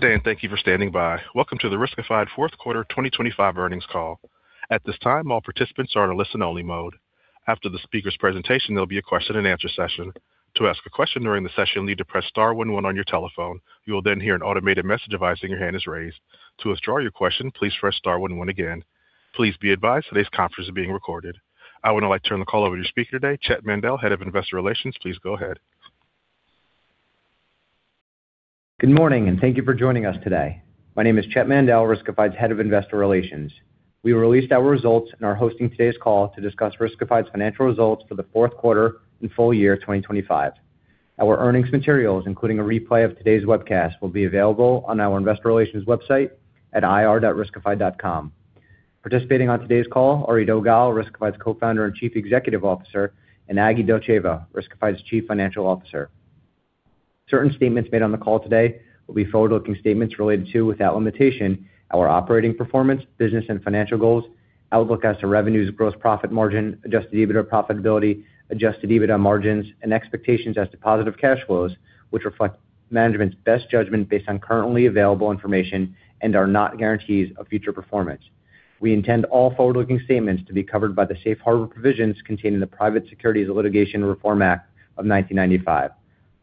Good day, and thank you for standing by. Welcome to the Riskified Fourth Quarter 2025 Earnings Call. At this time, all participants are in a listen-only mode. After the speaker's presentation, there'll be a question-and-answer session. To ask a question during the session, you'll need to press star one one on your telephone. You will then hear an automated message advising your hand is raised. To withdraw your question, please press star one one again. Please be advised today's conference is being recorded. I would now like to turn the call over to your speaker today, Chett Mandel, Head of Investor Relations. Please go ahead. Good morning. Thank you for joining us today. My name is Chett Mandel, Riskified's Head of Investor Relations. We released our results and are hosting today's call to discuss Riskified's financial results for the fourth quarter and full year of 2025. Our earnings materials, including a replay of today's webcast, will be available on our investor relations website at ir.riskified.com. Participating on today's call, Eido Gal, Riskified's Co-founder and Chief Executive Officer, and Aglika Dotcheva, Riskified's Chief Financial Officer. Certain statements made on the call today will be forward-looking statements related to, without limitation, our operating performance, business and financial goals, outlook as to revenues, gross profit margin, adjusted EBITDA profitability, adjusted EBITDA margins, and expectations as to positive cash flows, which reflect management's best judgment based on currently available information and are not guarantees of future performance. We intend all forward-looking statements to be covered by the safe harbor provisions contained in the Private Securities Litigation Reform Act of 1995.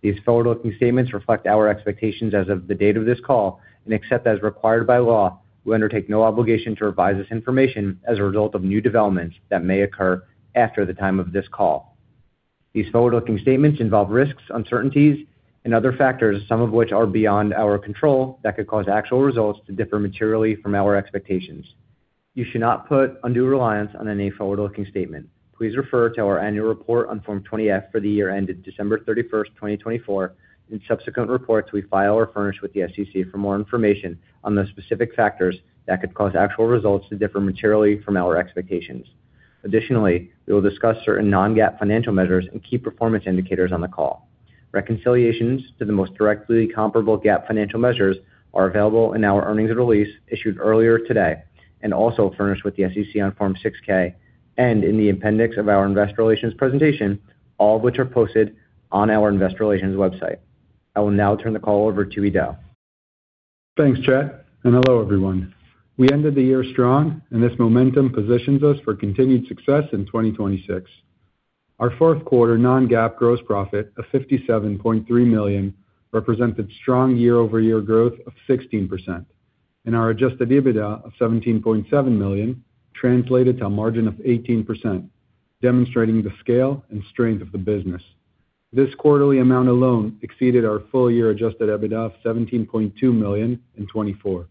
These forward-looking statements reflect our expectations as of the date of this call, and except as required by law, we undertake no obligation to revise this information as a result of new developments that may occur after the time of this call. These forward-looking statements involve risks, uncertainties, and other factors, some of which are beyond our control that could cause actual results to differ materially from our expectations. You should not put undue reliance on any forward-looking statement. Please refer to our annual report on Form 20-F for the year ended December 31st, 2024, and subsequent reports we file or furnish with the SEC for more information on the specific factors that could cause actual results to differ materially from our expectations. Additionally, we will discuss certain non-GAAP financial measures and key performance indicators on the call. Reconciliations to the most directly comparable GAAP financial measures are available in our earnings release issued earlier today, and also furnished with the SEC on Form 6-K and in the appendix of our investor relations presentation, all of which are posted on our investor relations website. I will now turn the call over to Eido. Thanks, Chett. Hello, everyone. We ended the year strong. This momentum positions us for continued success in 2026. Our fourth quarter non-GAAP gross profit of $57.3 million represented strong year-over-year growth of 16%. Our adjusted EBITDA of $17.7 million translated to a margin of 18%, demonstrating the scale and strength of the business. This quarterly amount alone exceeded our full-year Adjusted EBITDA of $17.2 million in 2024.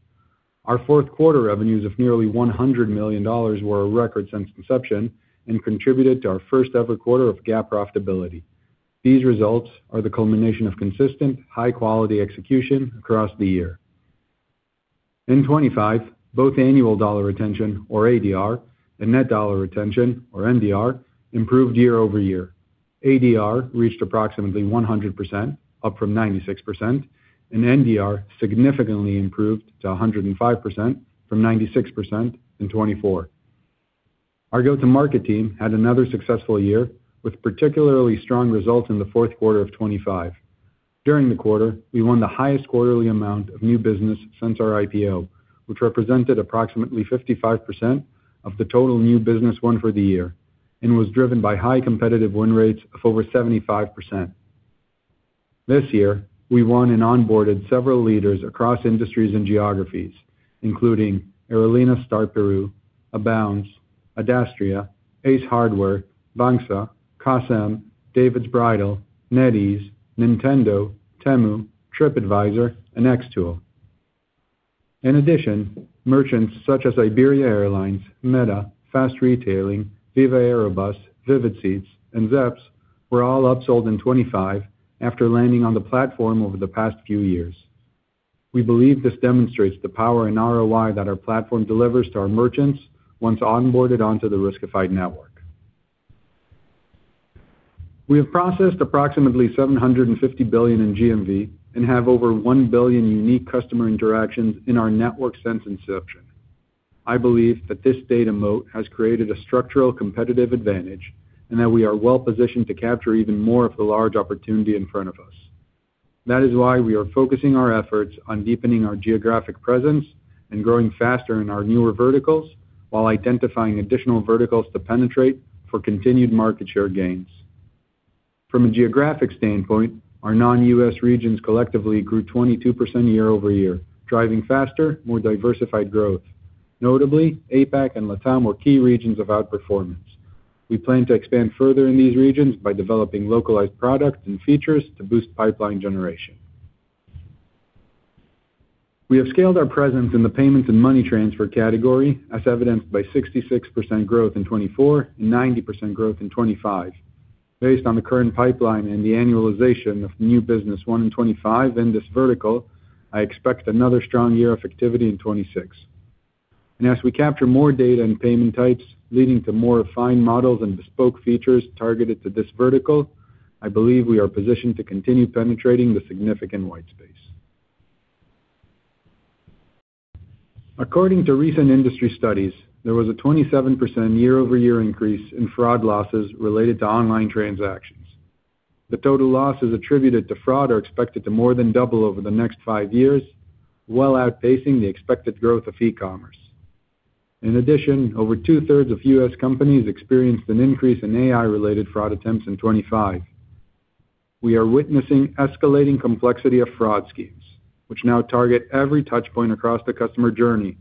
Our fourth quarter revenues of nearly $100 million were a record since inception and contributed to our first-ever quarter of GAAP profitability. These results are the culmination of consistent high-quality execution across the year. In 2025, both annual dollar retention, or ADR, and net dollar retention, or NDR, improved year-over-year. ADR reached approximately 100%, up from 96%, and NDR significantly improved to 105% from 96% in 2024. Our go-to-market team had another successful year, with particularly strong results in the fourth quarter of 2025. During the quarter, we won the highest quarterly amount of new business since our IPO, which represented approximately 55% of the total new business won for the year and was driven by high competitive win rates of over 75%. This year, we won and onboarded several leaders across industries and geographies, including Aerolíneas Star Perú, Abound, Adastria, Ace Hardware, Banxa, CASM, David's Bridal, NetEase, Nintendo, Temu, Tripadvisor, and NexTool. In addition, merchants such as Iberia Airlines, Meta, Fast Retailing, Viva Aerobus, Vivid Seats, and Zappos were all upsold in 2025 after landing on the platform over the past few years. We believe this demonstrates the power in ROI that our platform delivers to our merchants once onboarded onto the Riskified network. We have processed approximately $750 billion in GMV and have over 1 billion unique customer interactions in our network since inception. I believe that this data moat has created a structural competitive advantage and that we are well-positioned to capture even more of the large opportunity in front of us. We are focusing our efforts on deepening our geographic presence and growing faster in our newer verticals while identifying additional verticals to penetrate for continued market share gains. From a geographic standpoint, our non-U.S. regions collectively grew 22% year-over-year, driving faster, more diversified growth. Notably, APAC and LATAM were key regions of outperformance. We plan to expand further in these regions by developing localized products and features to boost pipeline generation. We have scaled our presence in the payments and money transfer category, as evidenced by 66% growth in 2024 and 90% growth in 2025. Based on the current pipeline and the annualization of new business won in 2025 in this vertical, I expect another strong year of activity in 2026. As we capture more data and payment types leading to more refined models and bespoke features targeted to this vertical, I believe we are positioned to continue penetrating the significant white space. According to recent industry studies, there was a 27% year-over-year increase in fraud losses related to online transactions. The total losses attributed to fraud are expected to more than double over the next five years, well outpacing the expected growth of e-commerce. In addition, over 2/3 of U.S. companies experienced an increase in AI-related fraud attempts in 2025. We are witnessing escalating complexity of fraud schemes, which now target every touch point across the customer journey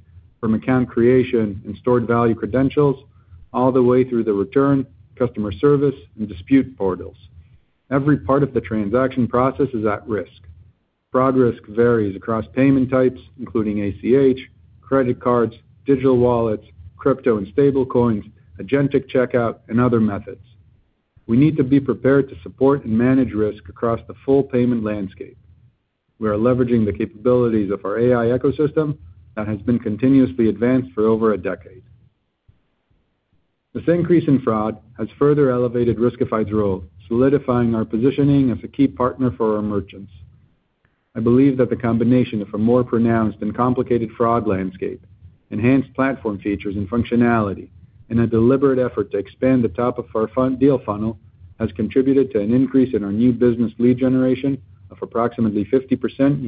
from account creation and stored value credentials, all the way through the return, customer service, and dispute portals. Every part of the transaction process is at risk. Fraud risk varies across payment types, including ACH, credit cards, digital wallets, crypto and stable coins, agentic checkout, and other methods. We need to be prepared to support and manage risk across the full payment landscape. We are leveraging the capabilities of our AI ecosystem that has been continuously advanced for over a decade. This increase in fraud has further elevated Riskified's role, solidifying our positioning as a key partner for our merchants. I believe that the combination of a more pronounced and complicated fraud landscape, enhanced platform features and functionality, and a deliberate effort to expand the top of our deal funnel has contributed to an increase in our new business lead generation of approximately 50%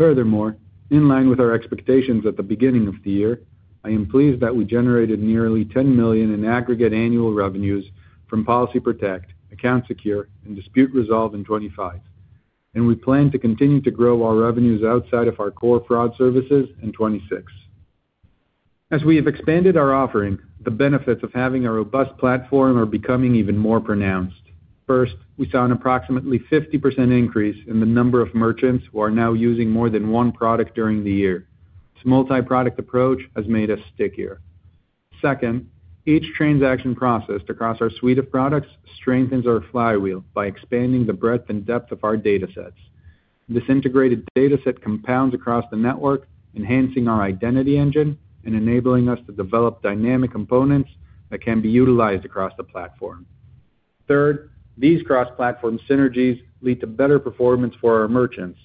year-over-year. In line with our expectations at the beginning of the year, I am pleased that we generated nearly $10 million in aggregate annual revenues from Policy Protect, Account Secure, and Dispute Resolve in 2025, and we plan to continue to grow our revenues outside of our core fraud services in 2026. As we have expanded our offering, the benefits of having a robust platform are becoming even more pronounced. First, we saw an approximately 50% increase in the number of merchants who are now using more than one product during the year. This multi-product approach has made us stickier. Second, each transaction processed across our suite of products strengthens our flywheel by expanding the breadth and depth of our datasets. This integrated dataset compounds across the network, enhancing our identity engine and enabling us to develop dynamic components that can be utilized across the platform. Third, these cross-platform synergies lead to better performance for our merchants.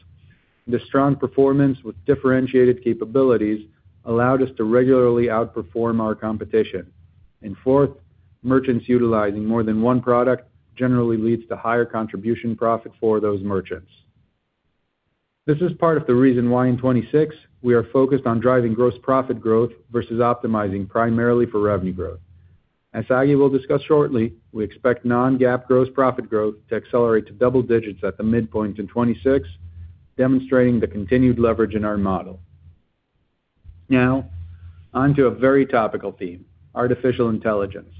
This strong performance with differentiated capabilities allowed us to regularly outperform our competition. Fourth, merchants utilizing more than one product generally leads to higher contribution profit for those merchants. This is part of the reason why in 2026, we are focused on driving gross profit growth versus optimizing primarily for revenue growth. As Agi will discuss shortly, we expect non-GAAP gross profit growth to accelerate to double digits at the midpoint in 2026, demonstrating the continued leverage in our model. Now on to a very topical theme, artificial intelligence.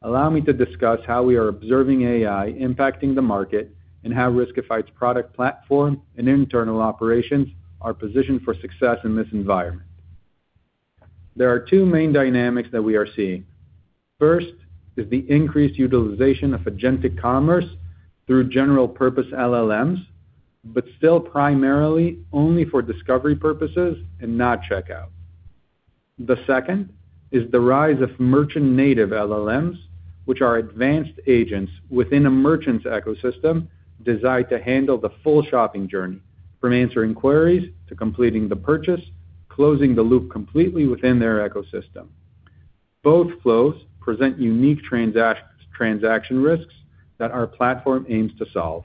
Allow me to discuss how we are observing AI impacting the market, and how Riskified's product platform and internal operations are positioned for success in this environment. There are two main dynamics that we are seeing. First is the increased utilization of agentic commerce through general purpose LLMs, but still primarily only for discovery purposes and not checkout. The second is the rise of merchant native LLMs, which are advanced agents within a merchant's ecosystem designed to handle the full shopping journey, from answering queries to completing the purchase, closing the loop completely within their ecosystem. Both flows present unique transaction risks that our platform aims to solve.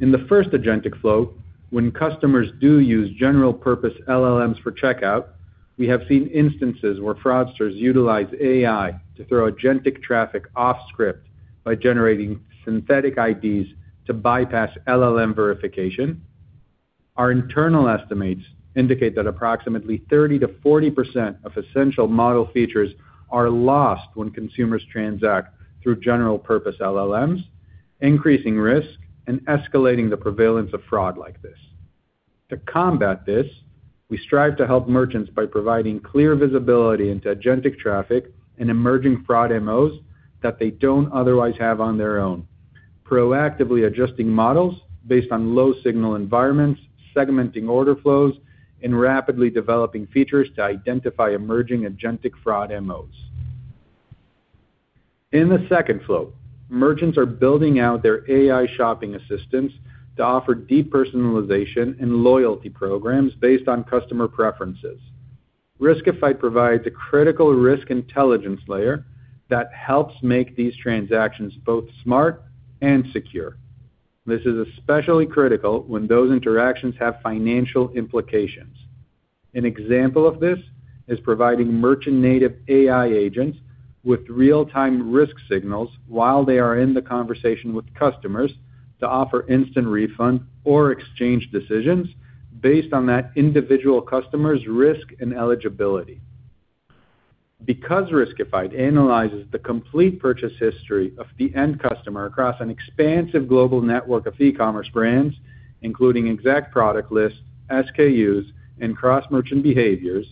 In the first agentic flow, when customers do use general purpose LLMs for checkout, we have seen instances where fraudsters utilize AI to throw agentic traffic off script by generating synthetic IDs to bypass LLM verification. Our internal estimates indicate that approximately 30%-40% of essential model features are lost when consumers transact through general purpose LLMs, increasing risk and escalating the prevalence of fraud like this. To combat this, we strive to help merchants by providing clear visibility into agentic traffic and emerging fraud MOs that they don't otherwise have on their own, proactively adjusting models based on low signal environments, segmenting order flows, and rapidly developing features to identify emerging agentic fraud MOs. In the second flow, merchants are building out their AI shopping assistants to offer deep personalization and loyalty programs based on customer preferences. Riskified provides a critical risk intelligence layer that helps make these transactions both smart and secure. This is especially critical when those interactions have financial implications. An example of this is providing merchant native AI agents with real-time risk signals while they are in the conversation with customers to offer instant refund or exchange decisions based on that individual customer's risk and eligibility. Because Riskified analyzes the complete purchase history of the end customer across an expansive global network of e-commerce brands, including exact product lists, SKUs, and cross-merchant behaviors,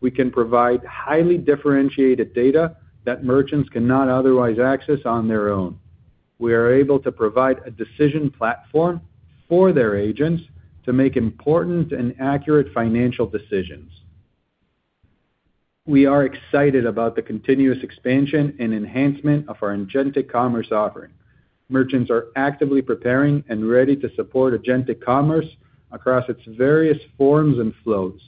we can provide highly differentiated data that merchants cannot otherwise access on their own. We are able to provide a decision platform for their agents to make important and accurate financial decisions. We are excited about the continuous expansion and enhancement of our agentic commerce offering. Merchants are actively preparing and ready to support agentic commerce across its various forms and flows.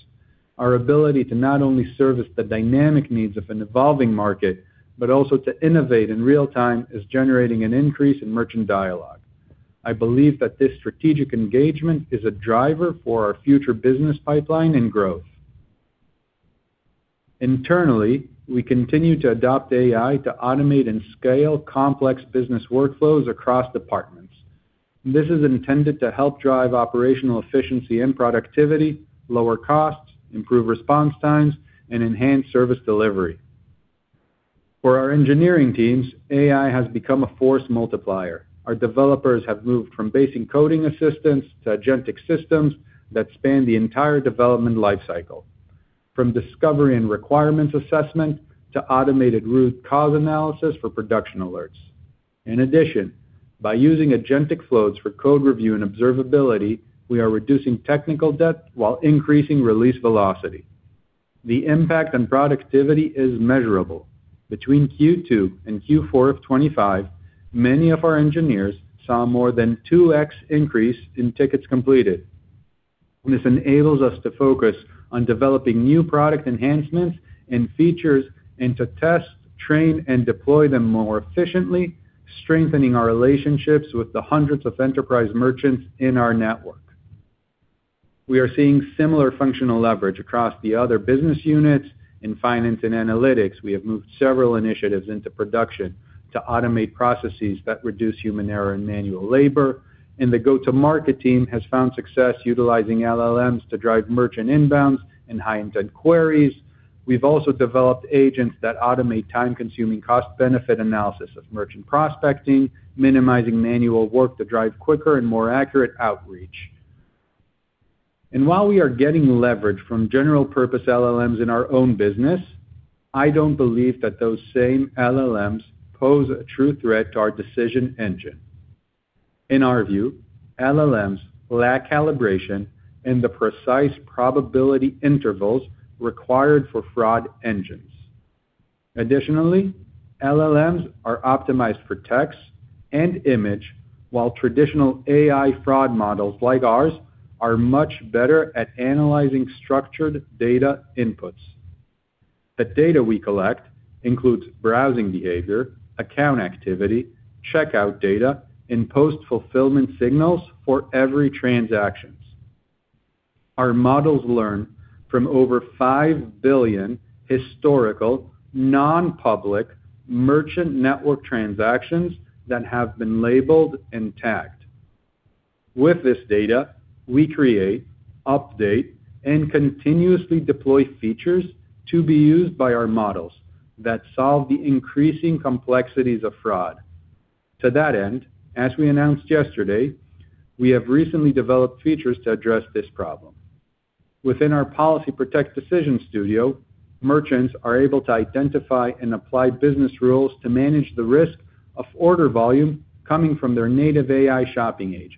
Our ability to not only service the dynamic needs of an evolving market, but also to innovate in real time, is generating an increase in merchant dialogue. I believe that this strategic engagement is a driver for our future business pipeline and growth. Internally, we continue to adopt AI to automate and scale complex business workflows across departments. This is intended to help drive operational efficiency and productivity, lower costs, improve response times, and enhance service delivery. For our engineering teams, AI has become a force multiplier. Our developers have moved from basic coding assistance to agentic systems that span the entire development life cycle, from discovery and requirements assessment to automated root cause analysis for production alerts. By using agentic flows for code review and observability, we are reducing technical debt while increasing release velocity. The impact on productivity is measurable. Between Q2 and Q4 of 2025, many of our engineers saw more than 2x increase in tickets completed. This enables us to focus on developing new product enhancements and features, and to test, train, and deploy them more efficiently, strengthening our relationships with the hundreds of enterprise merchants in our network. We are seeing similar functional leverage across the other business units. In finance and analytics, we have moved several initiatives into production to automate processes that reduce human error and manual labor. The go-to-market team has found success utilizing LLMs to drive merchant inbounds and high intent queries. We've also developed agents that automate time-consuming cost benefit analysis of merchant prospecting, minimizing manual work to drive quicker and more accurate outreach. While we are getting leverage from general purpose LLMs in our own business, I don't believe that those same LLMs pose a true threat to our decision engine. In our view, LLMs lack calibration in the precise probability intervals required for fraud engines. Additionally, LLMs are optimized for text and image, while traditional AI fraud models like ours are much better at analyzing structured data inputs. The data we collect includes browsing behavior, account activity, checkout data, and post-fulfillment signals for every transactions. Our models learn from over 5 billion historical, non-public merchant network transactions that have been labeled and tagged. With this data, we create, update, and continuously deploy features to be used by our models that solve the increasing complexities of fraud. To that end, as we announced yesterday, we have recently developed features to address this problem. Within our Policy Protect Decision Studio, merchants are able to identify and apply business rules to manage the risk of order volume coming from their native AI shopping agents.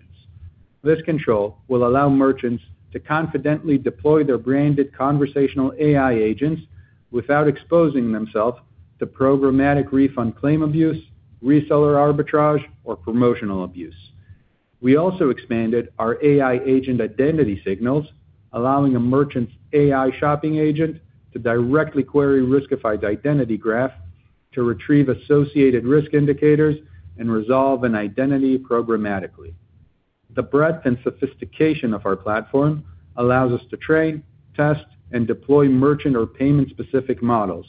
This control will allow merchants to confidently deploy their branded conversational AI agents without exposing themselves to programmatic refund claim abuse, reseller arbitrage, or promotional abuse. We also expanded our AI agent identity signals, allowing a merchant's AI shopping agent to directly query Riskified's Identity Graph to retrieve associated risk indicators and resolve an identity programmatically. The breadth and sophistication of our platform allows us to train, test, and deploy merchant or payment-specific models.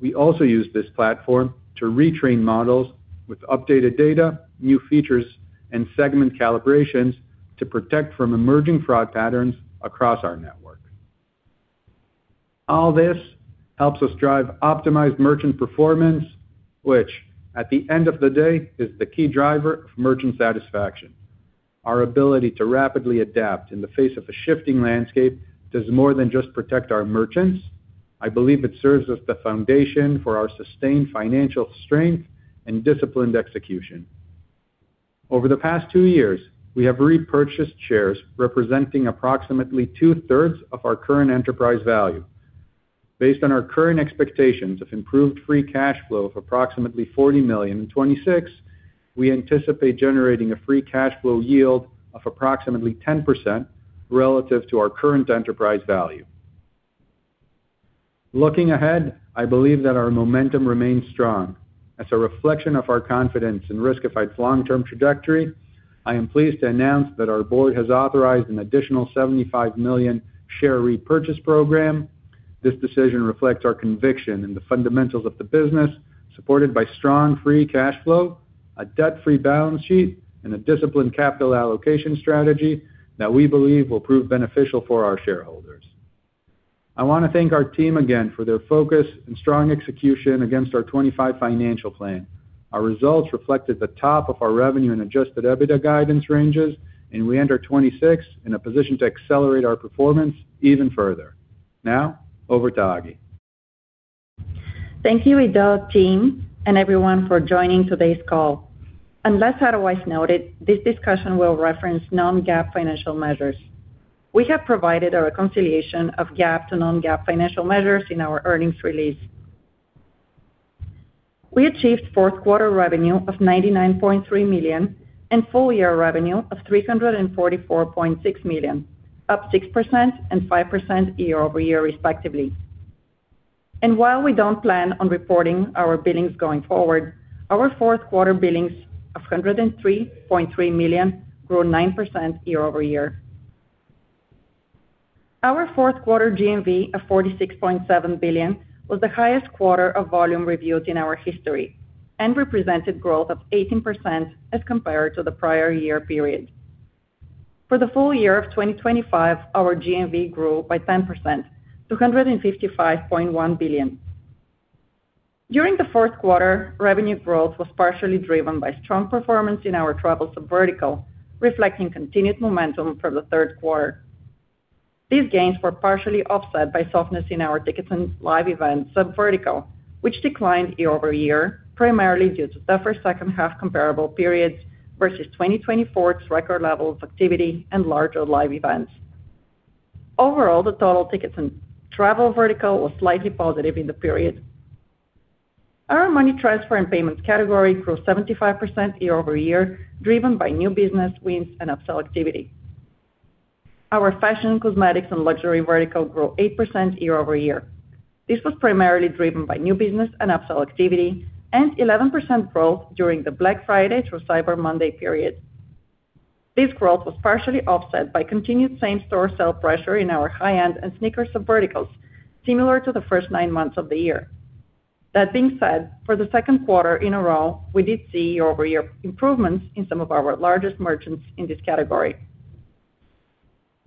We also use this platform to retrain models with updated data, new features, and segment calibrations to protect from emerging fraud patterns across our network. All this helps us drive optimized merchant performance, which at the end of the day, is the key driver of merchant satisfaction. Our ability to rapidly adapt in the face of a shifting landscape does more than just protect our merchants. I believe it serves as the foundation for our sustained financial strength and disciplined execution. Over the past two years, we have repurchased shares representing approximately 2/3 of our current enterprise value. Based on our current expectations of improved free cash flow of approximately $40 million in 2026, we anticipate generating a free cash flow yield of approximately 10% relative to our current enterprise value. Looking ahead, I believe that our momentum remains strong. As a reflection of our confidence in Riskified's long-term trajectory, I am pleased to announce that our board has authorized an additional $75 million share repurchase program. This decision reflects our conviction in the fundamentals of the business, supported by strong free cash flow, a debt-free balance sheet, and a disciplined capital allocation strategy that we believe will prove beneficial for our shareholders. I want to thank our team again for their focus and strong execution against our 2025 financial plan. Our results reflected the top of our revenue and adjusted EBITDA guidance ranges. We enter 2026 in a position to accelerate our performance even further. Now, over to Agi. Thank you, Eido, team, and everyone for joining today's call. Unless otherwise noted, this discussion will reference non-GAAP financial measures. We have provided a reconciliation of GAAP to non-GAAP financial measures in our earnings release. We achieved fourth quarter revenue of $99.3 million and full year revenue of $344.6 million, up 6% and 5% year-over-year respectively. While we don't plan on reporting our billings going forward, our fourth quarter billings of $103.3 million grew 9% year-over-year. Our fourth quarter GMV of $46.7 billion was the highest quarter of volume reviewed in our history and represented growth of 18% as compared to the prior year period. For the full year of 2025, our GMV grew by 10% to $155.1 billion. During the fourth quarter, revenue growth was partially driven by strong performance in our travel subvertical, reflecting continued momentum from the third quarter. These gains were partially offset by softness in our tickets and live events subvertical, which declined year-over-year, primarily due to tougher second half comparable periods versus 2024's record levels of activity and larger live events. Overall, the total tickets and travel vertical was slightly positive in the period. Our money transfer and payments category grew 75% year-over-year, driven by new business wins and upsell activity. Our fashion, cosmetics, and luxury vertical grew 8% year-over-year. This was primarily driven by new business and upsell activity and 11% growth during the Black Friday through Cyber Monday period. This growth was partially offset by continued same-store sale pressure in our high-end and sneaker subverticals, similar to the first nine months of the year. That being said, for the second quarter in a row, we did see year-over-year improvements in some of our largest merchants in this category.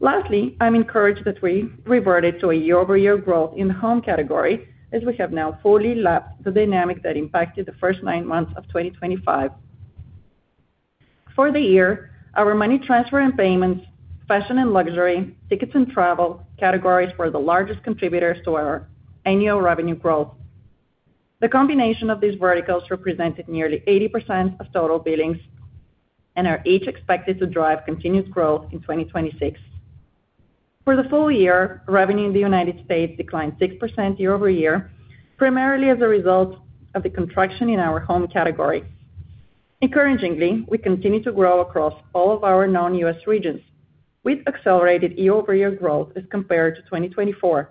Lastly, I'm encouraged that we reverted to a year-over-year growth in the home category as we have now fully lapped the dynamic that impacted the first nine months of 2025. For the year, our money transfer and payments, fashion and luxury, tickets and travel categories were the largest contributors to our annual revenue growth. The combination of these verticals represented nearly 80% of total billings and are each expected to drive continuous growth in 2026. For the full year, revenue in the United States declined 6% year-over-year, primarily as a result of the contraction in our home category. Encouragingly, we continue to grow across all of our non-U.S. regions with accelerated year-over-year growth as compared to 2024.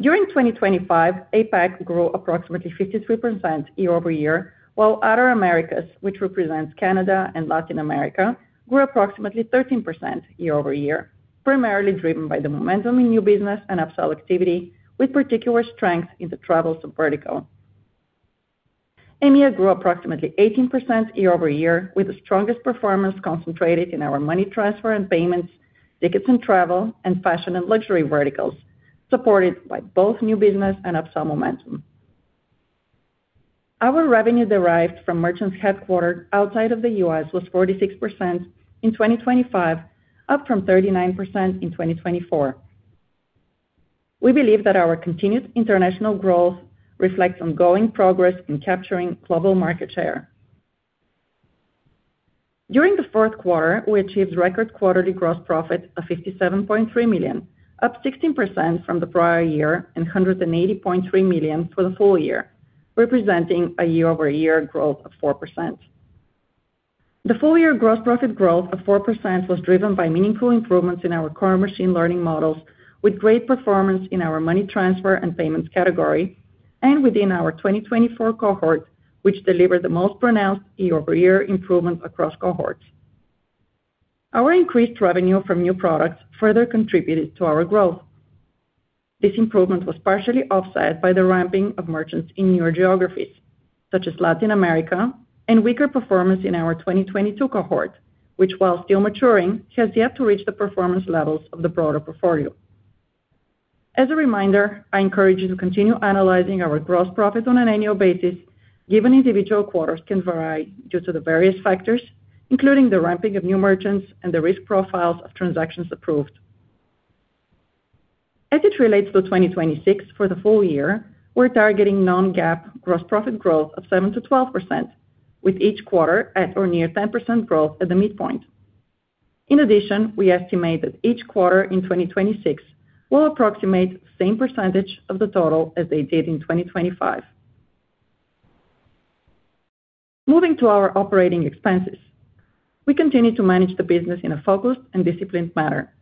During 2025, APAC grew approximately 53% year-over-year, while other Americas, which represents Canada and Latin America, grew approximately 13% year-over-year, primarily driven by the momentum in new business and upsell activity with particular strength in the travel subvertical. EMEA grew approximately 18% year-over-year with the strongest performance concentrated in our money transfer and payments, tickets and travel, and fashion and luxury verticals, supported by both new business and upsell momentum. Our revenue derived from merchants headquartered outside of the U.S. was 46% in 2025, up from 39% in 2024. We believe that our continued international growth reflects ongoing progress in capturing global market share. During the fourth quarter, we achieved record quarterly gross profit of $57.3 million, up 16% from the prior year, and $180.3 million for the full year, representing a year-over-year growth of 4%. The full year gross profit growth of 4% was driven by meaningful improvements in our core machine learning models with great performance in our money transfer and payments category and within our 2024 cohort, which delivered the most pronounced year-over-year improvement across cohorts. Our increased revenue from new products further contributed to our growth. This improvement was partially offset by the ramping of merchants in newer geographies, such as Latin America and weaker performance in our 2022 cohort, which while still maturing, has yet to reach the performance levels of the broader portfolio. As a reminder, I encourage you to continue analyzing our gross profit on an annual basis, given individual quarters can vary due to the various factors, including the ramping of new merchants and the risk profiles of transactions approved. As it relates to 2026 for the full year, we're targeting non-GAAP gross profit growth of 7%-12%, with each quarter at or near 10% growth at the midpoint. In addition, we estimate that each quarter in 2026 will approximate the same percentage of the total as they did in 2025. Moving to our operating expenses. We continue to manage the business in a focused and disciplined manner.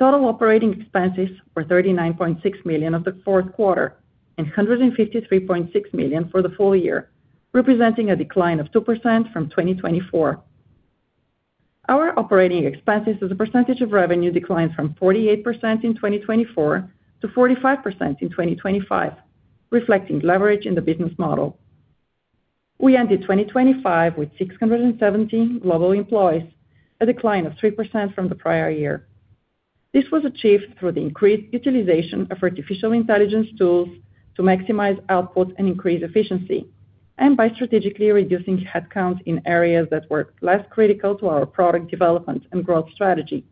Total operating expenses were $39.6 million of the fourth quarter and $153.6 million for the full year, representing a decline of 2% from 2024. Our operating expenses as a percentage of revenue declined from 48% in 2024 to 45% in 2025, reflecting leverage in the business model. We ended 2025 with 670 global employees, a decline of 3% from the prior year. This was achieved through the increased utilization of artificial intelligence tools to maximize output and increase efficiency, and by strategically reducing headcount in areas that were less critical to our product development and growth strategy.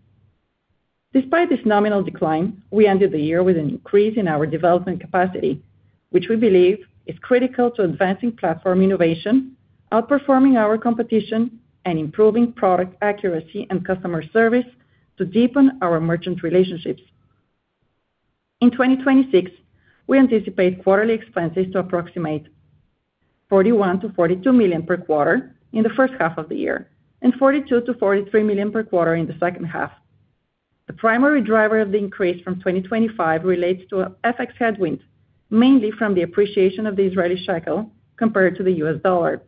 Despite this nominal decline, we ended the year with an increase in our development capacity, which we believe is critical to advancing platform innovation, outperforming our competition, and improving product accuracy and customer service to deepen our merchant relationships. In 2026, we anticipate quarterly expenses to approximate $41 million-$42 million per quarter in the first half of the year, and $42 million-$43 million per quarter in the second half. The primary driver of the increase from 2025 relates to FX headwinds, mainly from the appreciation of the Israeli shekel compared to the U.S. dollar.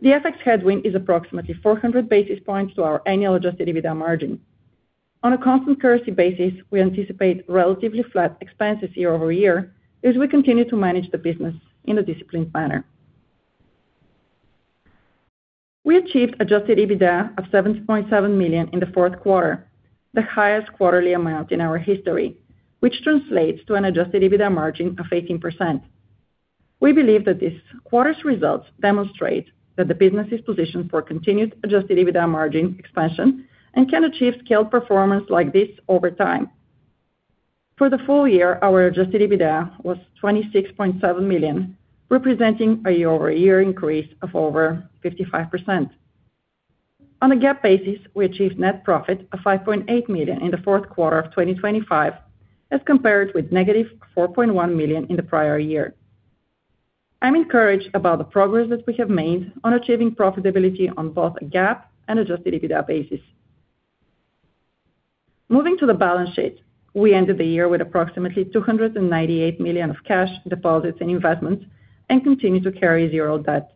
The FX headwind is approximately 400 basis points to our annual adjusted EBITDA margin. On a constant currency basis, we anticipate relatively flat expenses year-over-year as we continue to manage the business in a disciplined manner. We achieved adjusted EBITDA of $70.7 million in the fourth quarter, the highest quarterly amount in our history, which translates to an adjusted EBITDA margin of 18%. We believe that this quarter's results demonstrate that the business is positioned for continued adjusted EBITDA margin expansion and can achieve scaled performance like this over time. For the full year, our adjusted EBITDA was $26.7 million, representing a year-over-year increase of over 55%. On a GAAP basis, we achieved net profit of $5.8 million in the fourth quarter of 2025, as compared with -$4.1 million in the prior year. I'm encouraged about the progress that we have made on achieving profitability on both a GAAP and adjusted EBITDA basis. Moving to the balance sheet. We ended the year with approximately $298 million of cash deposits and investments and continue to carry zero debt.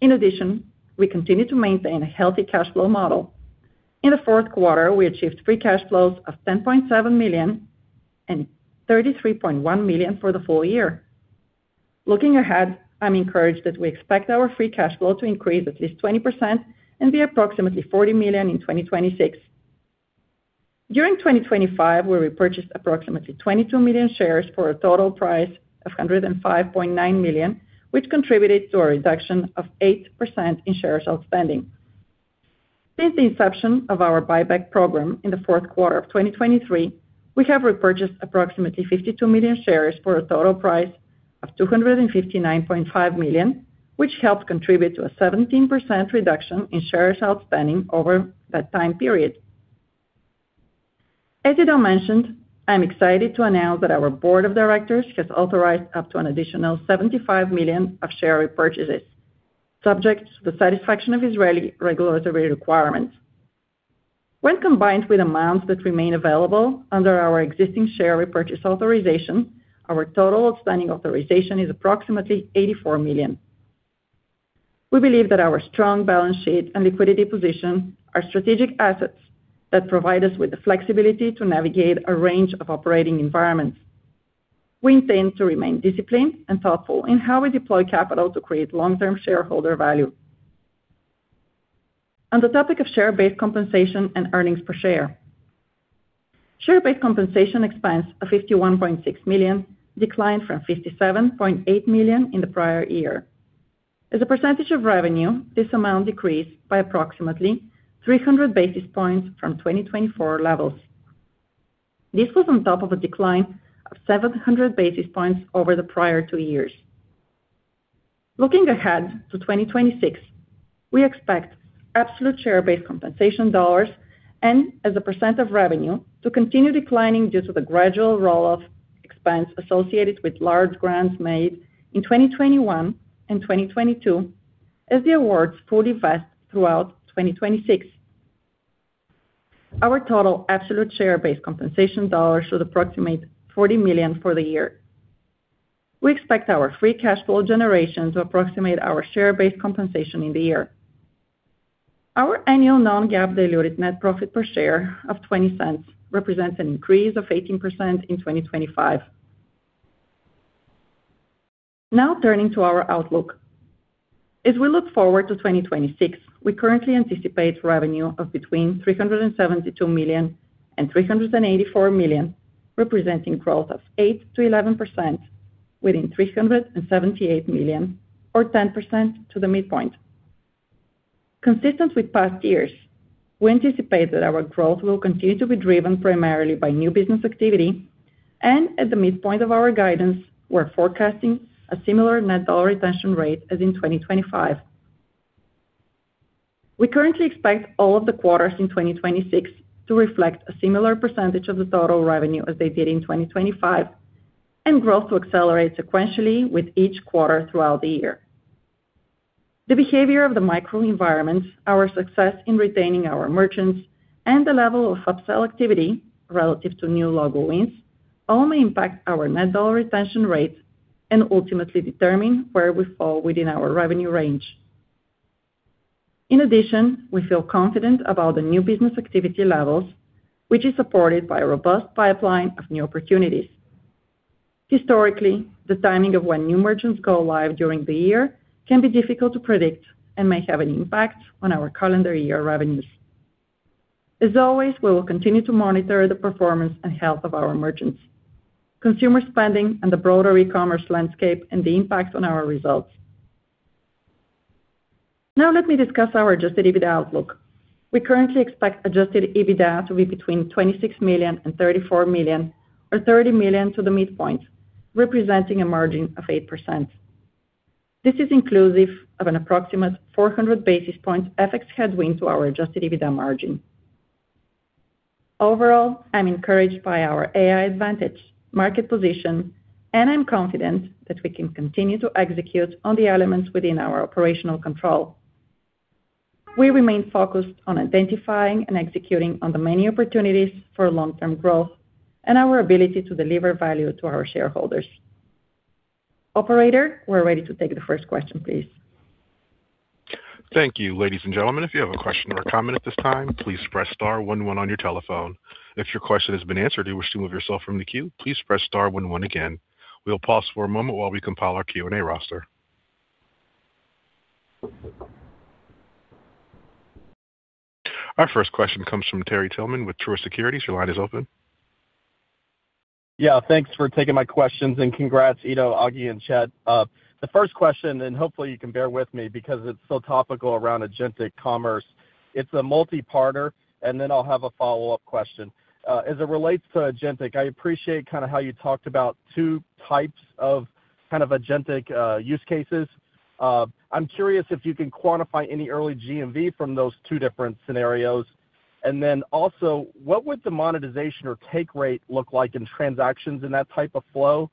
In addition, we continue to maintain a healthy cash flow model. In the fourth quarter, we achieved free cash flows of $10.7 million and $33.1 million for the full year. Looking ahead, I'm encouraged that we expect our free cash flow to increase at least 20% and be approximately $40 million in 2026. During 2025, we repurchased approximately 22 million shares for a total price of $105.9 million, which contributed to a reduction of 8% in shares outstanding. Since the inception of our buyback program in the fourth quarter of 2023, we have repurchased approximately 52 million shares for a total price of $259.5 million, which helped contribute to a 17% reduction in shares outstanding over that time period. As I mentioned, I'm excited to announce that our Board of Directors has authorized up to an additional $75 million of share repurchases, subject to the satisfaction of Israeli regulatory requirements. When combined with amounts that remain available under our existing share repurchase authorization, our total outstanding authorization is approximately $84 million. We believe that our strong balance sheet and liquidity position are strategic assets that provide us with the flexibility to navigate a range of operating environments. We intend to remain disciplined and thoughtful in how we deploy capital to create long-term shareholder value. On the topic of share-based compensation and earnings per share. Share-based compensation expense of $51.6 million declined from $57.8 million in the prior year. As a percentage of revenue, this amount decreased by approximately 300 basis points from 2024 levels. This was on top of a decline of 700 basis points over the prior two years. Looking ahead to 2026, we expect absolute share-based compensation dollars and as a percent of revenue to continue declining due to the gradual roll-off expense associated with large grants made in 2021 and 2022 as the awards fully vest throughout 2026. Our total absolute share-based compensation dollars should approximate $40 million for the year. We expect our free cash flow generation to approximate our share-based compensation in the year. Our annual non-GAAP diluted net profit per share of $0.20 represents an increase of 18% in 2025. Turning to our outlook. As we look forward to 2026, we currently anticipate revenue of between $372 million and $384 million, representing growth of 8%-11% within $378 million or 10% to the midpoint. Consistent with past years, we anticipate that our growth will continue to be driven primarily by new business activity, and at the midpoint of our guidance, we're forecasting a similar net dollar retention rate as in 2025. We currently expect all of the quarters in 2026 to reflect a similar percentage of the total revenue as they did in 2025, and growth to accelerate sequentially with each quarter throughout the year. The behavior of the microenvironments, our success in retaining our merchants, and the level of upsell activity relative to new logo wins all may impact our net dollar retention rates and ultimately determine where we fall within our revenue range. We feel confident about the new business activity levels, which is supported by a robust pipeline of new opportunities. Historically, the timing of when new merchants go live during the year can be difficult to predict and may have an impact on our calendar year revenues. As always, we will continue to monitor the performance and health of our merchants, consumer spending and the broader e-commerce landscape and the impact on our results. Let me discuss our adjusted EBITDA outlook. We currently expect adjusted EBITDA to be between $26 million and $34 million, or $30 million to the midpoint, representing a margin of 8%. This is inclusive of an approximate 400 basis point FX headwind to our adjusted EBITDA margin. Overall, I'm encouraged by our AI advantage, market position, and I'm confident that we can continue to execute on the elements within our operational control. We remain focused on identifying and executing on the many opportunities for long-term growth and our ability to deliver value to our shareholders. Operator, we're ready to take the first question, please. Thank you. Ladies and gentlemen, if you have a question or a comment at this time, please press star one one on your telephone. If your question has been answered or you wish to remove yourself from the queue, please press star one one again. We'll pause for a moment while we compile our Q&A roster. Our first question comes from Terry Tillman with Truist Securities. Your line is open. Yeah, thanks for taking my questions, and congrats, Eido, Agi, and Chett. The first question, and hopefully you can bear with me because it's so topical around agentic commerce. It's a multi-parter, and then I'll have a follow-up question. As it relates to agentic, I appreciate kinda how you talked about two types of kind of agentic use cases. I'm curious if you can quantify any early GMV from those two different scenarios. Also, what would the monetization or take rate look like in transactions in that type of flow?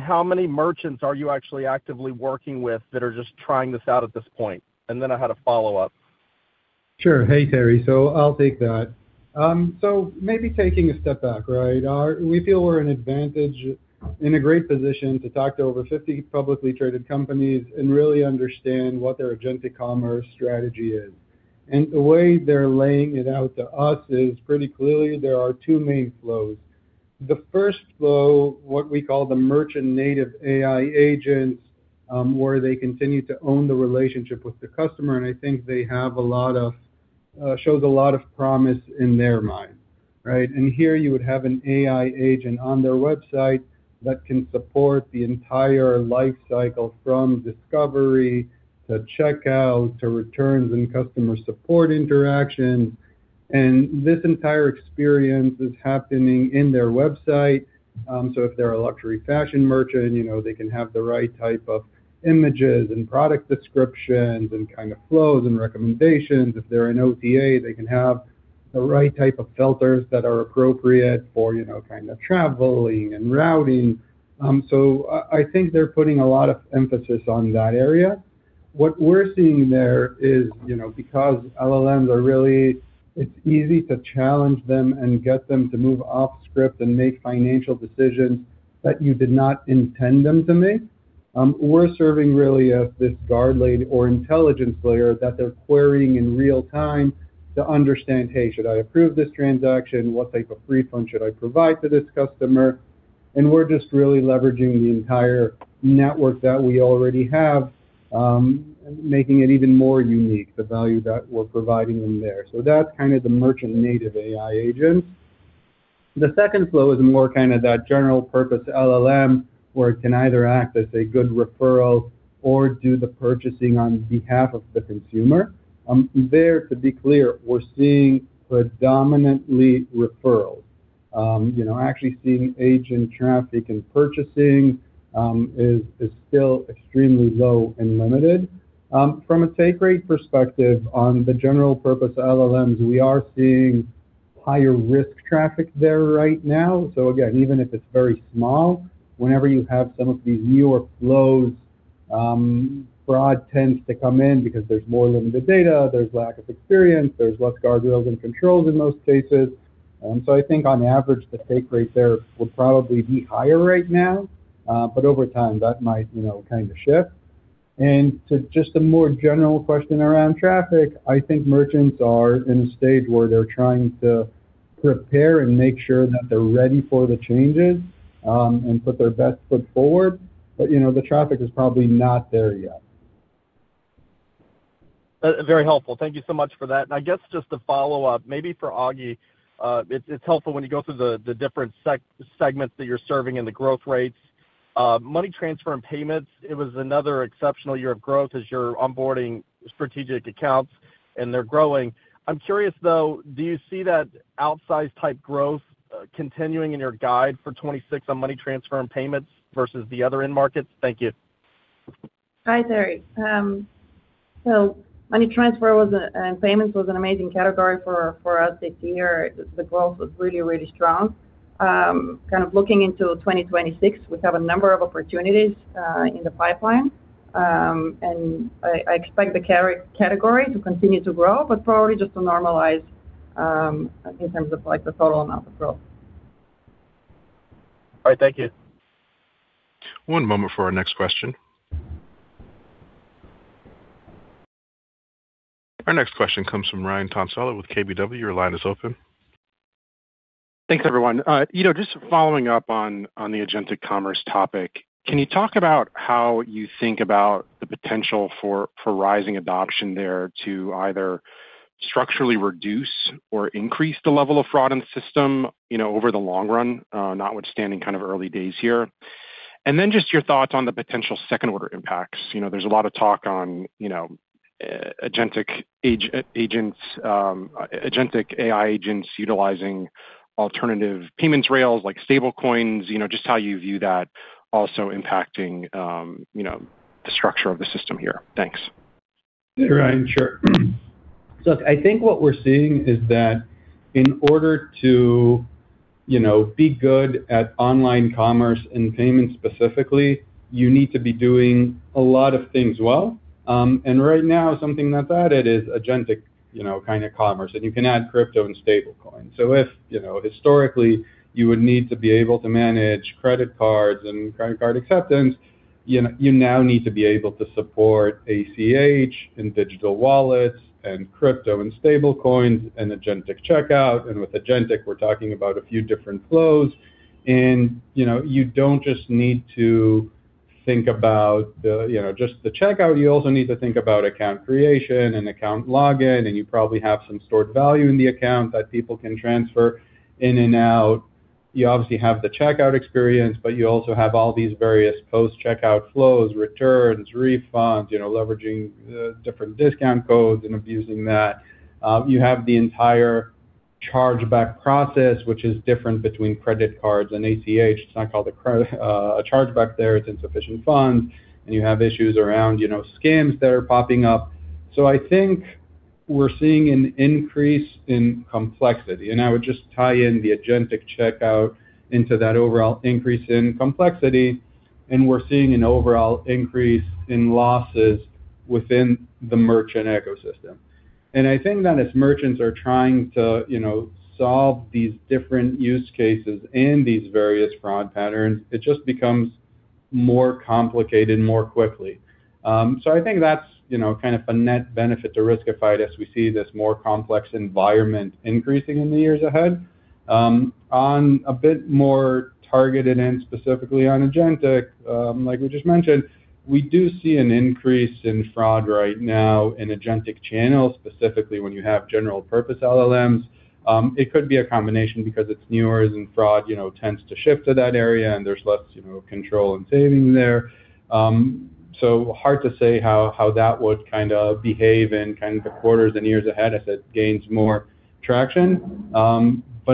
How many merchants are you actually actively working with that are just trying this out at this point? I had a follow-up. Sure. Hey, Terry. I'll take that. Maybe taking a step back, right? We feel we're in a great position to talk to over 50 publicly traded companies and really understand what their agentic commerce strategy is. The way they're laying it out to us is pretty clearly there are two main flows. The first flow, what we call the merchant-native AI agents, where they continue to own the relationship with the customer, and I think they have a lot of, shows a lot of promise in their mind, right? Here you would have an AI agent on their website that can support the entire life cycle from discovery to checkout to returns and customer support interactions. This entire experience is happening in their website. If they're a luxury fashion merchant, you know, they can have the right type of images and product descriptions and kinda flows and recommendations. If they're an OTA, they can have the right type of filters that are appropriate for, you know, kinda traveling and routing. I think they're putting a lot of emphasis on that area. What we're seeing there is, you know, because LLMs are really. It's easy to challenge them and get them to move off script and make financial decisions that you did not intend them to make. We're serving really as this guard lane or intelligence layer that they're querying in real time to understand, "Hey, should I approve this transaction? What type of refund should I provide to this customer?" We're just really leveraging the entire network that we already have, making it even more unique, the value that we're providing them there. That's kind of the merchant-native AI agent. The second flow is more kinda that general purpose LLM, where it can either act as a good referral or do the purchasing on behalf of the consumer. There, to be clear, we're seeing predominantly referrals. You know, actually seeing agent traffic and purchasing, is still extremely low and limited. From a take rate perspective on the general purpose LLMs, we are seeing higher-risk traffic there right now. Again, even if it's very small, whenever you have some of these newer flows, fraud tends to come in because there's more limited data, there's lack of experience, there's less guardrails and controls in most cases. I think on average, the take rate there will probably be higher right now. Over time, that might, you know, kinda shift. To just a more general question around traffic, I think merchants are in a stage where they're trying to prepare and make sure that they're ready for the changes, and put their best foot forward. You know, the traffic is probably not there yet. That is very helpful. Thank you so much for that. I guess just to follow up, maybe for Agi, it's helpful when you go through the different segments that you're serving and the growth rates. Money transfer and payments, it was another exceptional year of growth as you're onboarding strategic accounts, and they're growing. I'm curious, though, do you see that outsized type growth continuing in your guide for 2026 on money transfer and payments versus the other end markets? Thank you. Hi, Terry. Money transfer and payments was an amazing category for us this year. The growth was really strong. Kind of looking into 2026, we have a number of opportunities in the pipeline. I expect the category to continue to grow, but probably just to normalize in terms of, like, the total amount of growth. All right. Thank you. One moment for our next question. Our next question comes from Ryan Tomasello with KBW. Your line is open. Thanks, everyone. Eido, just following up on the agentic commerce topic. Can you talk about how you think about the potential for rising adoption there to either structurally reduce or increase the level of fraud in the system, you know, over the long run, notwithstanding kind of early days here? Then just your thoughts on the potential second order impacts. You know, there's a lot of talk on, you know, agentic agents, agentic AI agents utilizing alternative payments rails like stable coins, you know, just how you view that also impacting, you know, the structure of the system here. Thanks. Ryan, sure. Look, I think what we're seeing is that in order to, you know, be good at online commerce and payments specifically, you need to be doing a lot of things well. Right now, something that's added is agentic, you know, kind of commerce, and you can add crypto and stable coins. If, you know, historically you would need to be able to manage credit cards and credit card acceptance, you now need to be able to support ACH and digital wallets and crypto and stable coins and agentic checkout. With agentic, we're talking about a few different flows. You know, you don't just need to think about the, you know, just the checkout. You also need to think about account creation and account login, and you probably have some stored value in the account that people can transfer in and out. You obviously have the checkout experience, but you also have all these various post-checkout flows, returns, refunds, you know, leveraging different discount codes and abusing that. You have the entire chargeback process, which is different between credit cards and ACH. It's not called a chargeback there, it's insufficient funds. You have issues around, you know, scams that are popping up. I think we're seeing an increase in complexity, and I would just tie in the agentic checkout into that overall increase in complexity. We're seeing an overall increase in losses within the merchant ecosystem. I think that as merchants are trying to, you know, solve these different use cases and these various fraud patterns, it just becomes more complicated more quickly. I think that's, you know, kind of a net benefit to Riskified as we see this more complex environment increasing in the years ahead. On a bit more targeted and specifically on agentic, like we just mentioned, we do see an increase in fraud right now in agentic channels, specifically when you have general purpose LLMs. It could be a combination because it's newer and fraud, you know, tends to shift to that area and there's less, you know, control and saving there. Hard to say how that would kind of behave in kind of the quarters and years ahead as it gains more traction.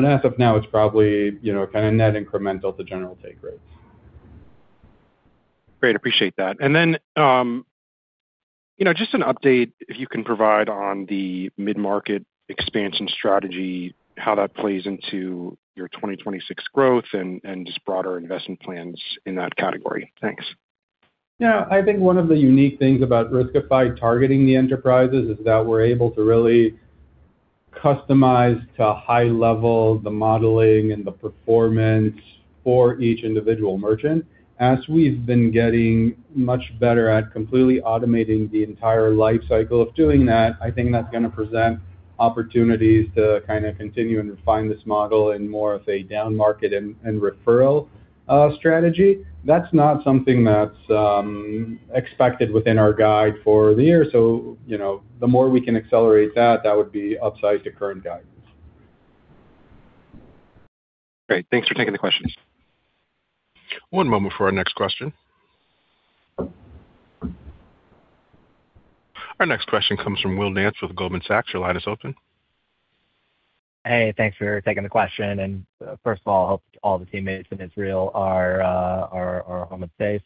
As of now, it's probably, you know, kind of net incremental to general take rates. Great. Appreciate that. You know, just an update if you can provide on the mid-market expansion strategy, how that plays into your 2026 growth and just broader investment plans in that category. Thanks. Yeah. I think one of the unique things about Riskified targeting the enterprises is that we're able to really customize to a high level the modeling and the performance for each individual merchant. As we've been getting much better at completely automating the entire life cycle of doing that, I think that's gonna present opportunities to kind of continue and refine this model in more of a downmarket and referral strategy. That's not something that's expected within our guide for the year. You know, the more we can accelerate that would be upside to current guidance. Great. Thanks for taking the questions. One moment for our next question. Our next question comes from Will Nance with Goldman Sachs. Your line is open. Hey, thanks for taking the question. First of all, hope all the teammates in Israel are home and safe.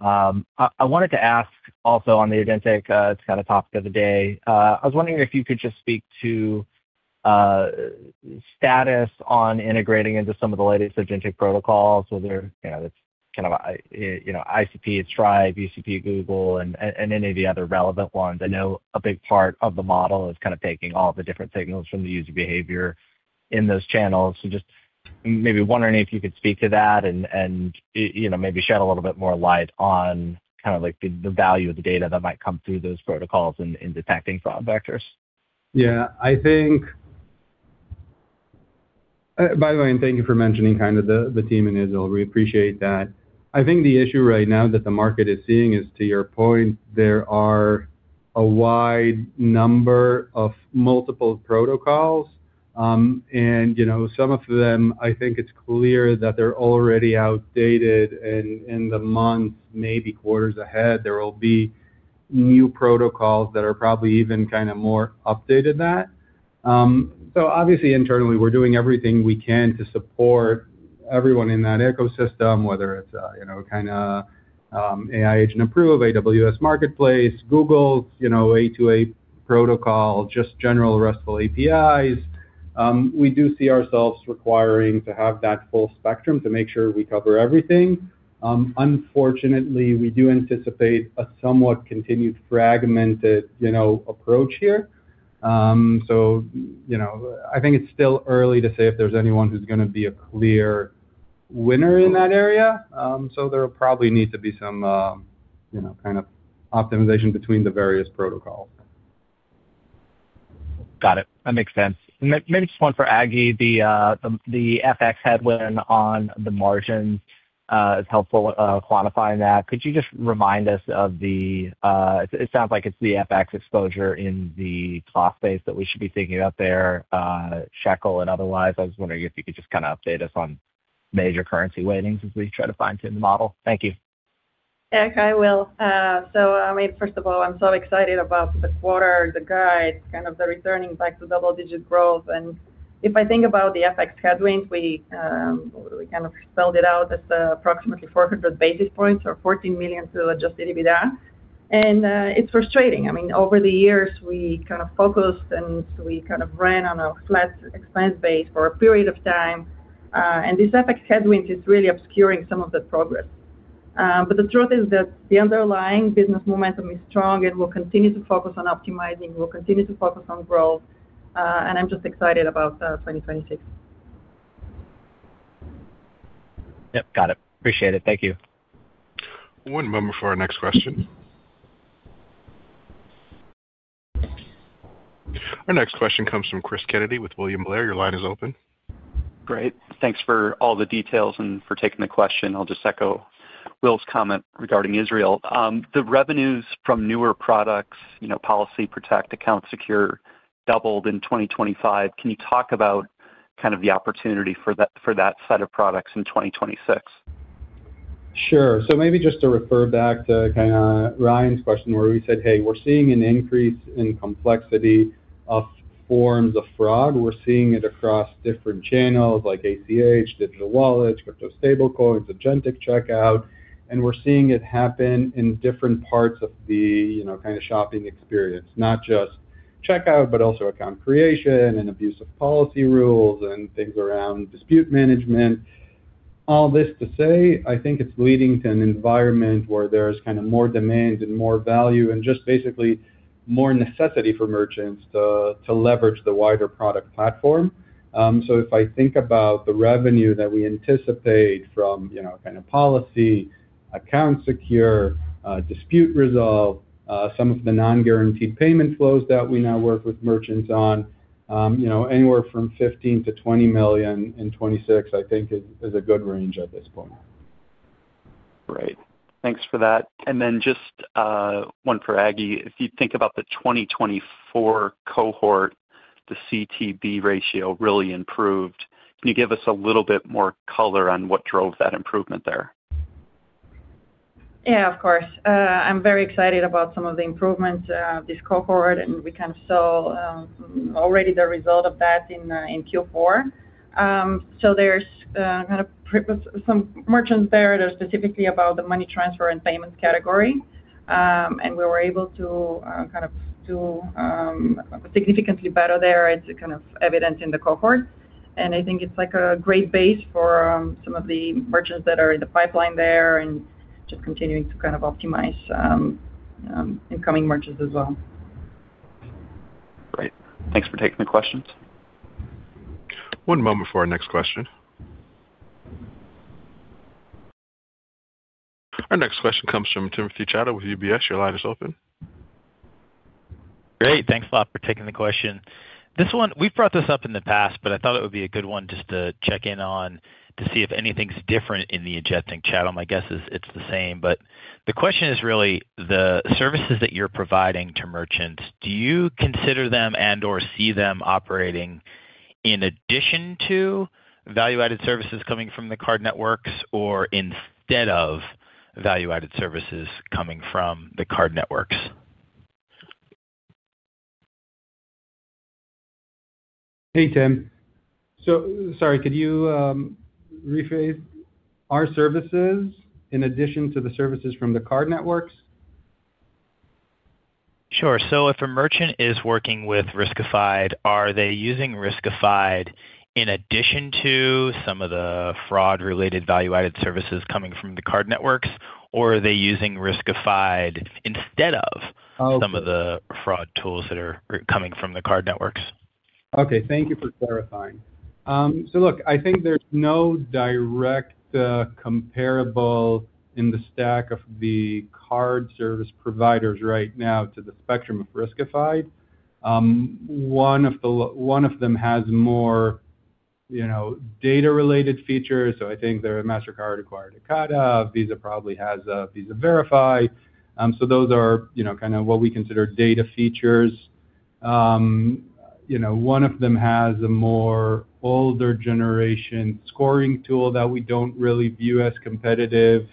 I wanted to ask also on the agentic, it's kinda topic of the day. I was wondering if you could just speak to status on integrating into some of the latest agentic protocols, whether, you know, that's kind of, you know, ICP at Stripe, GCP, Google and any of the other relevant ones. I know a big part of the model is kinda taking all the different signals from the user behavior in those channels. Just maybe wondering if you could speak to that and, you know, maybe shed a little bit more light on kinda like the value of the data that might come through those protocols in detecting fraud vectors. Yeah. I think, by the way, thank you for mentioning kind of the team in Israel. We appreciate that. I think the issue right now that the market is seeing is, to your point, there are a wide number of multiple protocols. You know, some of them, I think it's clear that they're already outdated, and in the months, maybe quarters ahead, there will be new protocols that are probably even kinda more updated than that. Obviously internally, we're doing everything we can to support everyone in that ecosystem, whether it's, you know, kinda, AI agent approve, AWS Marketplace, Google's, you know, A2A protocol, just general RESTful APIs. We do see ourselves requiring to have that full spectrum to make sure we cover everything. Unfortunately, we do anticipate a somewhat continued fragmented, you know, approach here. You know, I think it's still early to say if there's anyone who's gonna be a clear winner in that area. there'll probably need to be some, you know, kind of optimization between the various protocols. Got it. That makes sense. Maybe just one for Agi. The FX headwind on the margin is helpful quantifying that. Could you just remind us of the it sounds like it's the FX exposure in the cloth space that we should be thinking out there, shekel and otherwise. I was wondering if you could just kinda update us on major currency weightings as we try to fine-tune the model. Thank you. Yeah, I will. I mean, first of all, I'm so excited about the quarter, the guide, kind of the returning back to double-digit growth. If I think about the FX headwinds, we kind of spelled it out as approximately 400 basis points or $14 million to adjusted EBITDA. It's frustrating. I mean, over the years, we kind of focused, and we kind of ran on a flat expense base for a period of time. This FX headwind is really obscuring some of the progress. The truth is that the underlying business momentum is strong, and we'll continue to focus on optimizing, we'll continue to focus on growth, and I'm just excited about 2026. Yep, got it. Appreciate it. Thank you. One moment for our next question. Our next question comes from Cristopher Kennedy with William Blair. Your line is open. Great. Thanks for all the details and for taking the question. I'll just echo Will's comment regarding Israel. The revenues from newer products, you know, Policy Protect, Account Secure, doubled in 2025. Can you talk about kind of the opportunity for that set of products in 2026? Sure. Maybe just to refer back to kinda Ryan's question where we said, hey, we're seeing an increase in complexity of forms of fraud. We're seeing it across different channels like ACH, digital wallets, crypto stable coins, agentic checkout, and we're seeing it happen in different parts of the, you know, kinda shopping experience. Not just checkout, but also account creation and abuse of policy rules and things around dispute management. All this to say, I think it's leading to an environment where there's kinda more demand and more value and just basically more necessity for merchants to leverage the wider product platform. If I think about the revenue that we anticipate from Policy, Account Secure, Dispute Resolve, some of the non-guaranteed payment flows that we now work with merchants on, anywhere from $15 million-$20 million in 2026, I think is a good range at this point. Great. Thanks for that. Just one for Agi. If you think about the 2024 cohort, the CTB ratio really improved. Can you give us a little bit more color on what drove that improvement there? Yeah, of course. I'm very excited about some of the improvements of this cohort. We saw already the result of that in Q4. There's kinda some merchants there that are specifically about the money transfer and payments category. We were able to kind of do significantly better there. It's kind of evident in the cohort. I think it's like a great base for some of the merchants that are in the pipeline there and just continuing to kind of optimize incoming merchants as well. Great. Thanks for taking the questions. One moment for our next question. Our next question comes from Timothy Chiodo with UBS. Your line is open. Great. Thanks a lot for taking the question. This one we've brought this up in the past, but I thought it would be a good one just to check in on to see if anything's different in the agentic channel. My guess is it's the same. The question is really the services that you're providing to merchants, do you consider them and/or see them operating in addition to value-added services coming from the card networks or instead of value-added services coming from the card networks? Tim. Sorry, could you rephrase our services in addition to the services from the card networks? Sure. If a merchant is working with Riskified, are they using Riskified in addition to some of the fraud-related value-added services coming from the card networks, or are they using Riskified? Okay. Instead of some of the fraud tools that are coming from the card networks? Okay. Thank you for clarifying. Look, I think there's no direct comparable in the stack of the card service providers right now to the spectrum of Riskified. One of them has more, you know, data-related features, I think their Mastercard acquired Ekata. Visa probably has a Visa Verified. Those are, you know, kind of what we consider data features. One of them has a more older generation scoring tool that we don't really view as competitive.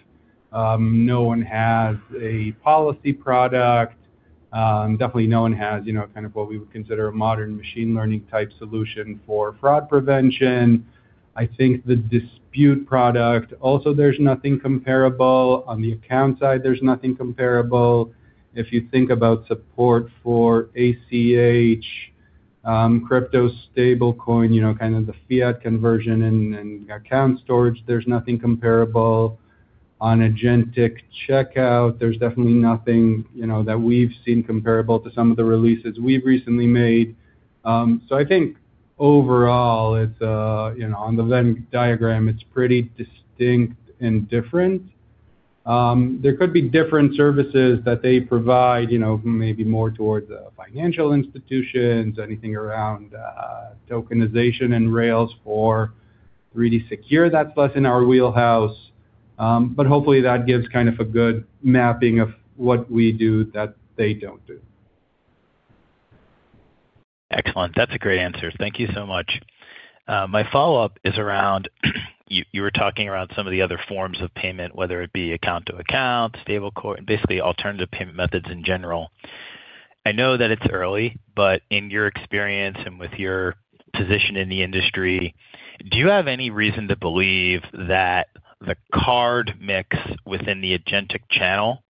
No one has a policy product. Definitely no one has, you know, kind of what we would consider a modern machine learning type solution for fraud prevention. I think the dispute product also, there's nothing comparable. On the account side, there's nothing comparable. If you think about support for ACH, crypto stable coin, you know, kind of the fiat conversion and account storage, there's nothing comparable. On agentic checkout, there's definitely nothing, you know, that we've seen comparable to some of the releases we've recently made. So I think overall it's, you know, on the venn diagram, it's pretty distinct and different. There could be different services that they provide, you know, maybe more towards financial institutions, anything around tokenization and rails for really secure. That's less in our wheelhouse. But hopefully that gives kind of a good mapping of what we do that they don't do. Excellent. That's a great answer. Thank you so much. My follow-up is around you were talking around some of the other forms of payment, whether it be account to account, stablecoin, basically alternative payment methods in general. I know that it's early, but in your experience and with your position in the industry, do you have any reason to believe that the card mix within the agentic channel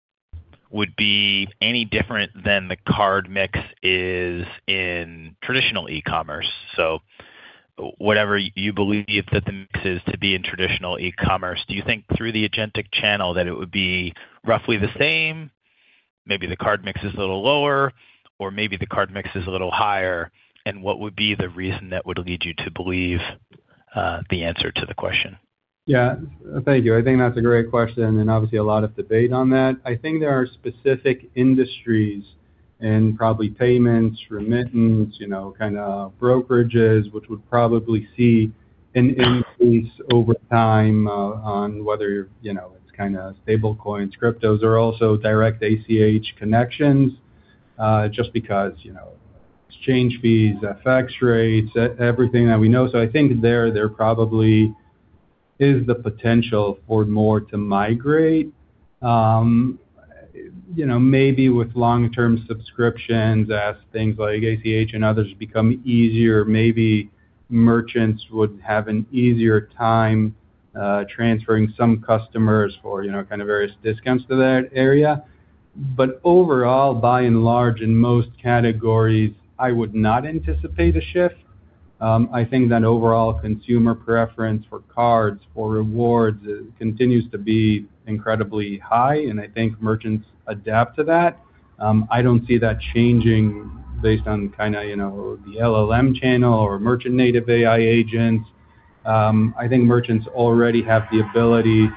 would be any different than the card mix is in traditional e-commerce? So whatever you believe that the mix is to be in traditional e-commerce, do you think through the agentic channel that it would be roughly the same, maybe the card mix is a little lower, or maybe the card mix is a little higher? And what would be the reason that would lead you to believe the answer to the question? Yeah. Thank you. I think that's a great question, obviously a lot of debate on that. I think there are specific industries and probably payments, remittance, you know, kinda brokerages, which would probably see an increase over time on whether, you know, it's kinda stable coins, cryptos, or also direct ACH connections, just because, you know, exchange fees, FX rates, everything that we know. I think there probably is the potential for more to migrate. You know, maybe with long-term subscriptions as things like ACH and others become easier, maybe merchants would have an easier time transferring some customers for, you know, kind of various discounts to that area. Overall, by and large, in most categories, I would not anticipate a shift. I think that overall consumer preference for cards, for rewards continues to be incredibly high, and I think merchants adapt to that. I don't see that changing based on kinda, you know, the LLM channel or merchant native AI agents. I think merchants already have the ability,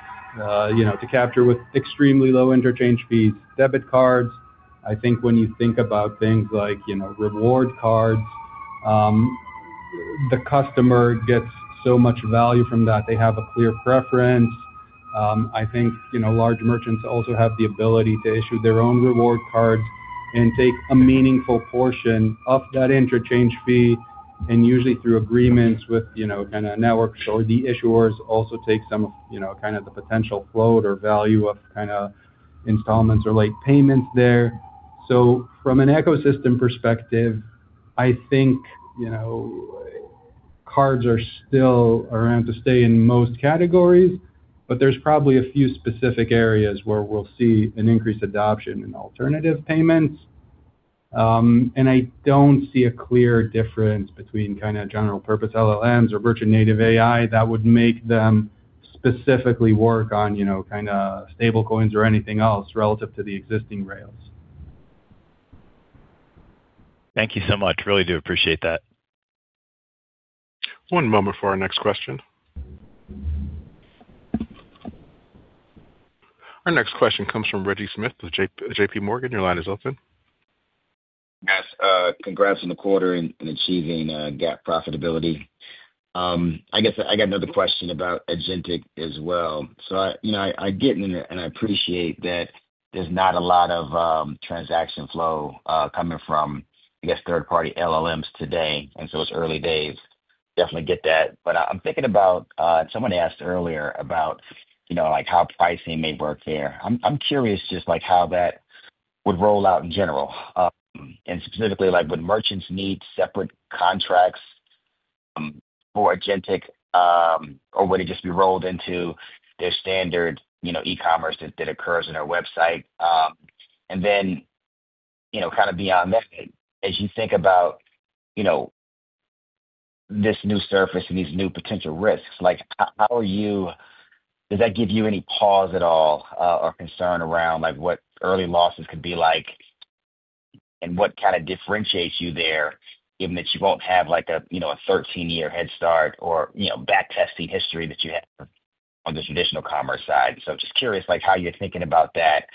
you know, to capture with extremely low interchange fees, debit cards. I think when you think about things like, you know, reward cards, the customer gets so much value from that, they have a clear preference. I think, you know, large merchants also have the ability to issue their own reward cards and take a meaningful portion of that interchange fee, and usually through agreements with, you know, kinda networks or the issuers also take some of, you know, kind of the potential float or value of kinda installments or late payments there. From an ecosystem perspective, I think, you know, cards are still around to stay in most categories, but there's probably a few specific areas where we'll see an increased adoption in alternative payments. I don't see a clear difference between kinda general purpose LLMs or merchant native AI that would make them specifically work on, you know, kinda stable coins or anything else relative to the existing rails. Thank you so much. Really do appreciate that. One moment for our next question. Our next question comes from Reginald Smith with J.P. Morgan. Your line is open. Yes, congrats on the quarter and achieving GAAP profitability. I guess I got another question about agentic as well. I, you know, I get and I appreciate that there's not a lot of transaction flow coming from, I guess, third-party LLMs today, it's early days. Definitely get that. I'm thinking about someone asked earlier about, you know, like, how pricing may work there. I'm curious just, like, how that would roll out in general. And specifically, like, would merchants need separate contracts for agentic, or would it just be rolled into their standard, you know, e-commerce that occurs on their website? And then, you know, kind of beyond that, as you think about, you know, this new surface and these new potential risks, like, how are you? Does that give you any pause at all, or concern around, like, what early losses could be like and what kinda differentiates you there, given that you won't have, like, a, you know, a 13-year head start or, you know, back-testing history that you have on the traditional commerce side? Just curious, like, how you're thinking about that,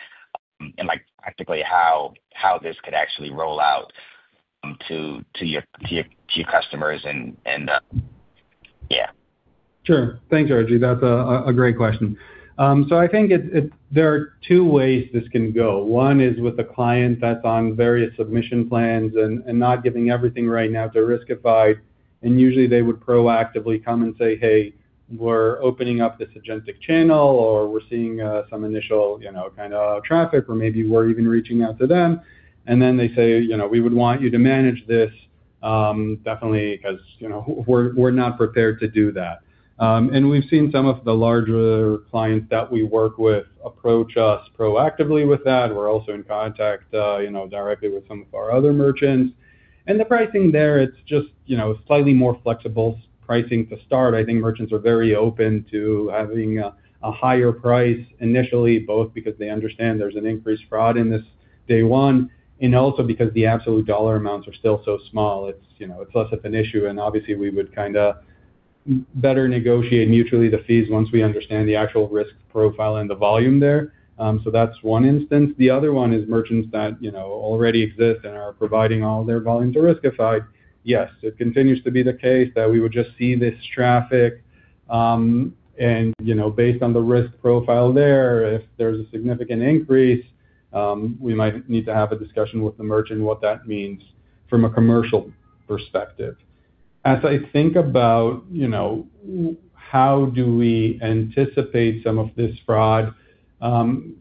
and, like, practically how this could actually roll out, to your customers and yeah. Sure. Thanks, Reggie. That's a great question. I think it's there are two ways this can go. One is with a client that's on various submission plans and not giving everything right now to Riskified, and usually they would proactively come and say, "Hey, we're opening up this agentic channel," or, "We're seeing some initial, you know, kinda traffic," or maybe we're even reaching out to them. They say, you know, "We would want you to manage this, definitely 'cause, you know, we're not prepared to do that." We've seen some of the larger clients that we work with approach us proactively with that. We're also in contact, you know, directly with some of our other merchants. The pricing there, it's just, you know, slightly more flexible pricing to start. I think merchants are very open to having a higher price initially, both because they understand there's an increased fraud in this day one, also because the absolute dollar amounts are still so small. It's, you know, it's less of an issue, obviously we would kinda better negotiate mutually the fees once we understand the actual risk profile and the volume there. That's one instance. The other one is merchants that, you know, already exist and are providing all their volume to Riskified. Yes, it continues to be the case that we would just see this traffic, and, you know, based on the risk profile there, if there's a significant increase. We might need to have a discussion with the merchant what that means from a commercial perspective. As I think about, you know, how do we anticipate some of this fraud,